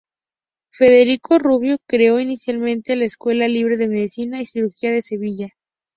Federico Rubio creó inicialmente la Escuela Libre de Medicina y Cirugía de Sevilla.